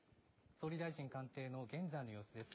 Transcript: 総理大臣官邸の現在の様子です。